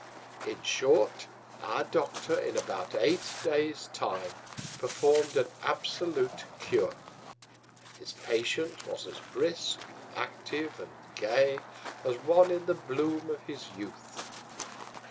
In short, our Doctor in about eight Days Time, perform'd an absolute Cure. His Patient was as brisk, active and gay, as One in the Bloom of his Youth.